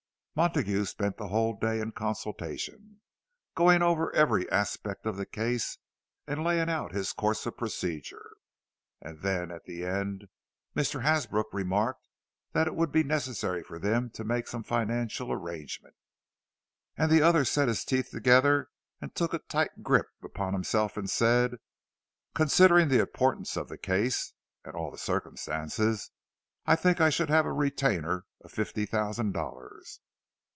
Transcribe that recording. Montague spent the whole day in consultation, going over every aspect of the case, and laying out his course of procedure. And then, at the end, Mr. Hasbrook remarked that it would be necessary for them to make some financial arrangement. And the other set his teeth together, and took a tight grip upon himself, and said, "Considering the importance of the case, and all the circumstances, I think I should have a retainer of fifty thousand dollars."